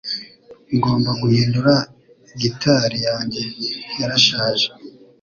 Ngomba guhindura gitari yanjye yarashaje